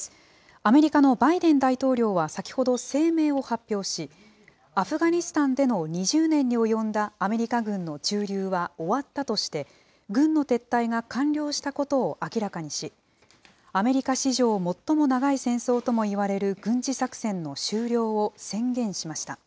アメリカのバイデン大統領は先ほど声明を発表し、アフガニスタンでの２０年に及んだアメリカ軍の駐留は終わったとして、軍の撤退が完了したことを明らかにし、アメリカ史上最も長い戦争ともいわれる軍事作戦の終了を宣言しました。